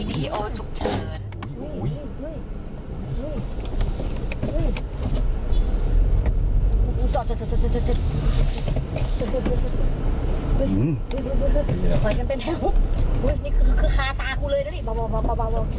คิดจะเรา